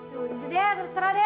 tunggu deh terserah deh